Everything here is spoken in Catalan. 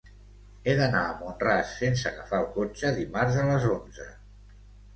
He d'anar a Mont-ras sense agafar el cotxe dimarts a les onze.